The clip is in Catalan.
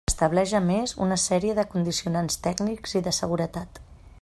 Estableix a més una sèrie de condicionants tècnics i de seguretat.